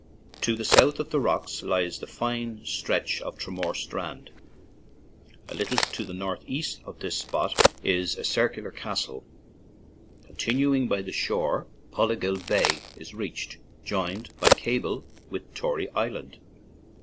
To the south of the rocks lies the fine stretch of Tramore Strand. A little to the northeast of this spot is a circular castle. Continuing by the shore, Pollaguill Bay is reached, joined by cable with Tory Island.